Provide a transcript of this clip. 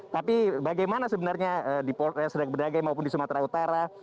tapi bagaimana sebenarnya di sedak bedagai maupun di sumatera utara